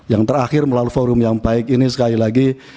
yang terakhir melalui forum yang baik ini sekali lagi